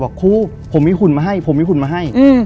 ครูผมมีหุ่นมาให้ผมมีหุ่นมาให้